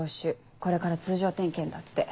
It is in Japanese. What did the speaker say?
これから通常点検だって。